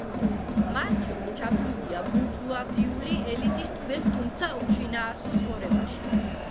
მარჩელო ჩაფლულია ბურჟუაზიული ელიტის „ტკბილ“ თუმცა უშინაარსო ცხოვრებაში.